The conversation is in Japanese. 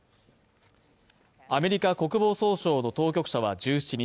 アメリカ国防総省の当局者は１７日